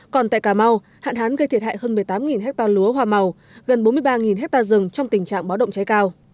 còn tại cà mau hạn hán gây thiệt hại hơn một mươi tám ha lúa hoa màu gần bốn mươi ba hectare rừng trong tình trạng báo động cháy cao